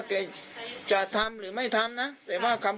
แล้วชาวบ้านตรงนั้นเข้าใจอย่างนั้นทั้งหมด